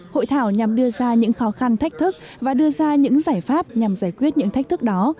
hội thảo nhằm đưa ra những khó khăn thách thức và đưa ra những giải pháp nhằm giải quyết những thách thức đó